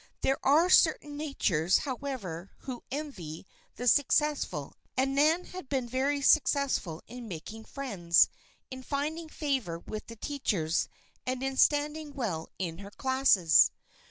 There are certain natures, however, who envy the successful, and Nan had been very successful in making friends, in finding favor with the teachers, and in standing well in her classes.